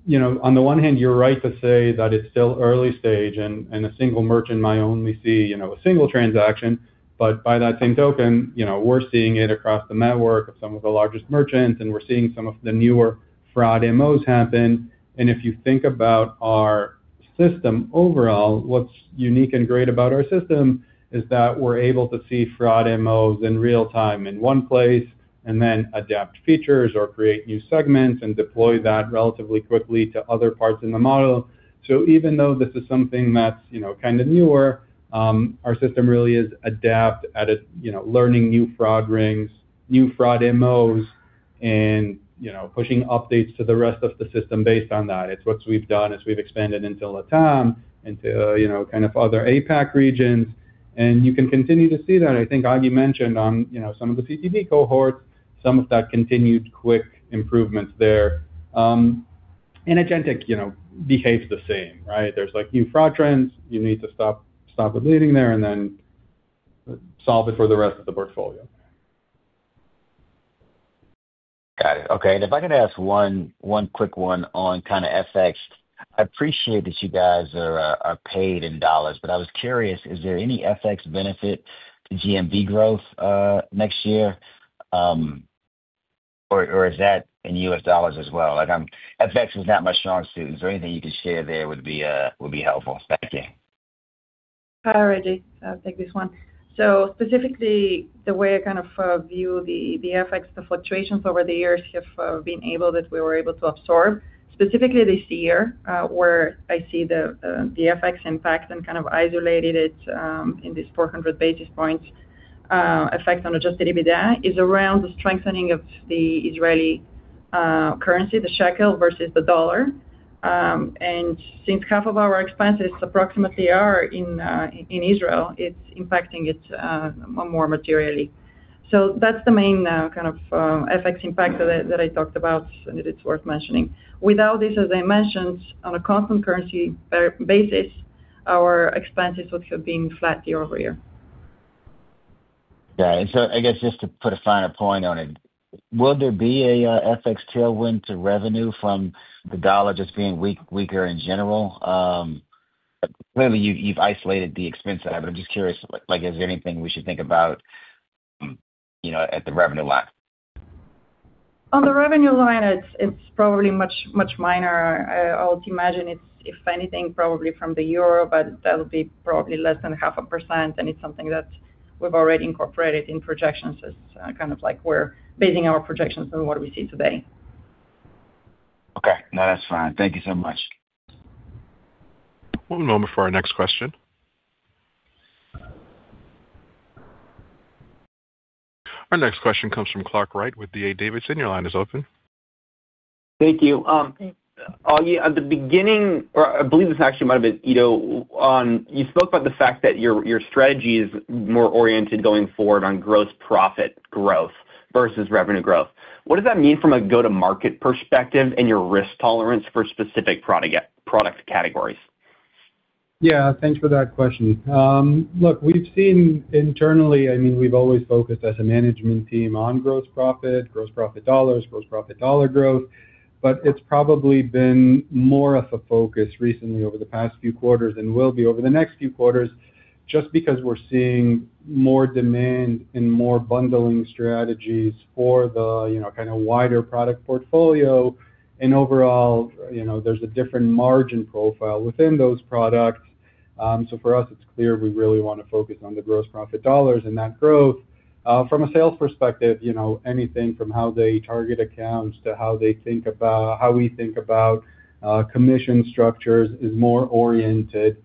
you know, on the one hand, you're right to say that it's still early stage and a single merchant might only see, you know, a single transaction. By that same token, you know, we're seeing it across the network of some of the largest merchants, and we're seeing some of the newer fraud MOs happen. If you think about our system overall, what's unique and great about our system is that we're able to see fraud MOs in real time in one place and then adapt features or create new segments and deploy that relatively quickly to other parts in the model. Even though this is something that's, you know, kinda newer, our system really is adapt at, you know, learning new fraud rings, new fraud MOs, and, you know, pushing updates to the rest of the system based on that. It's what we've done as we've expanded into LATAM, into, you know, kind of other APAC regions. You can continue to see that. I think Agi mentioned on, you know, some of the CTB cohorts, some of that continued quick improvements there. And agentic, you know, behaves the same, right? There's like new fraud trends. You need to stop it leaving there and then solve it for the rest of the portfolio. Got it. Okay. If I could ask one quick one on kinda FX. I appreciate that you guys are paid in dollars, but I was curious, is there any FX benefit to GMV growth next year, or is that in U.S. dollars as well? Like, FX is not my strong suit, so anything you could share there would be helpful. Thank you. Hi, Reggie. I'll take this one. Specifically, the way I kind of view the FX, the fluctuations over the years have been able that we were able to absorb. Specifically this year, where I see the FX impact and kind of isolated it, in this 400 basis points effect on adjusted EBITDA is around the strengthening of the Israeli currency, the shekel versus the U.S. dollar. Since half of our expenses approximately are in Israel, it's impacting it more materially. That's the main kind of FX impact that I talked about and that it's worth mentioning. Without this, as I mentioned, on a constant currency basis, our expenses would have been flat year-over-year. Yeah. I guess just to put a finer point on it, will there be a FX tailwind to revenue from the dollar just being weaker in general? Clearly you've isolated the expense side, but I'm just curious, like is there anything we should think about, you know, at the revenue line? On the revenue line, it's probably much minor. I would imagine if anything, probably from the euro, but that'll be probably less than half a percent. It's something that we've already incorporated in projections as kind of like we're basing our projections on what we see today. Okay. No, that's fine. Thank you so much. One moment for our next question. Our next question comes from Clark Wright with D.A. Davidson. Your line is open. Thank you. Agi, at the beginning, or I believe this actually might have been Eido, you spoke about the fact that your strategy is more oriented going forward on gross profit growth versus revenue growth. What does that mean from a go-to-market perspective and your risk tolerance for specific product categories? Yeah. Thanks for that question. Look, we've seen internally, I mean, we've always focused as a management team on gross profit, gross profit dollars, gross profit dollar growth. It's probably been more of a focus recently over the past few quarters and will be over the next few quarters just because we're seeing more demand and more bundling strategies for the, you know, kinda wider product portfolio. Overall, you know, there's a different margin profile within those products. For us, it's clear we really wanna focus on the gross profit dollars and that growth. From a sales perspective, you know, anything from how they target accounts to how we think about commission structures is more oriented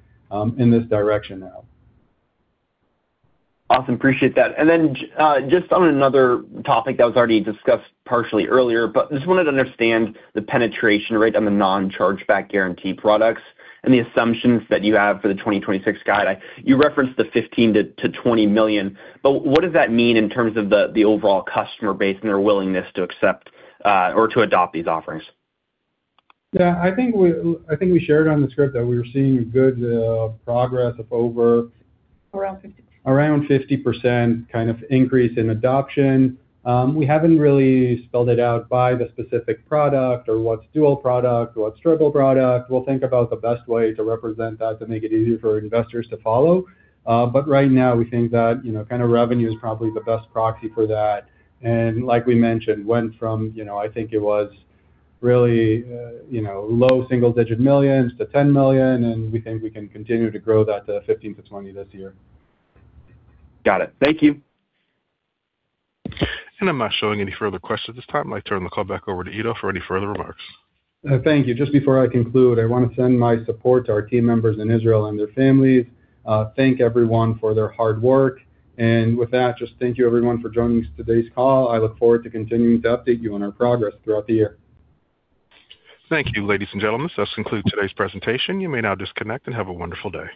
in this direction now. Awesome. Appreciate that. Just on another topic that was already discussed partially earlier, but just wanted to understand the penetration rate on the non-chargeback guarantee products and the assumptions that you have for the 2026 guide. You referenced the $15 million-$20 million, but what does that mean in terms of the overall customer base and their willingness to accept or to adopt these offerings? Yeah. I think we, I think we shared on the script that we were seeing good progress of. Around 50%. Around 50% kind of increase in adoption. We haven't really spelled it out by the specific product or what's dual product or what's triple product. We'll think about the best way to represent that to make it easier for investors to follow. Right now, we think that, you know, kind of revenue is probably the best proxy for that. Like we mentioned, went from, you know, I think it was really, you know, low single-digit millions to $10 million, and we think we can continue to grow that to $15 million-$20 million this year. Got it. Thank you. I'm not showing any further questions at this time. I'd like to turn the call back over to Eido for any further remarks. Thank you. Just before I conclude, I wanna send my support to our team members in Israel and their families. Thank everyone for their hard work. Just thank you everyone for joining today's call. I look forward to continuing to update you on our progress throughout the year. Thank you, ladies and gentlemen. This concludes today's presentation. You may now disconnect and have a wonderful day.